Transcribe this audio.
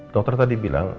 dokter tadi bilang